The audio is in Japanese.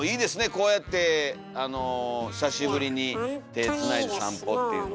こうやって久しぶりに手つないで散歩っていうの。